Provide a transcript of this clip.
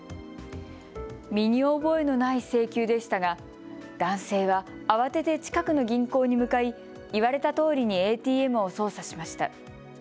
身に覚えのない請求でしたが男性は慌てて近くの銀行に向かい言われたとおりにＡＴＭを操作しました。